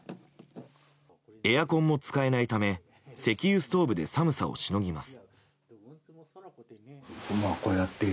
エアコンも使えないため石油ストーブで寒さをしのぎます。